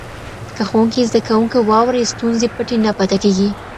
که ښوونکی زده کوونکي واوري، ستونزې پټې نه پاته کېږي.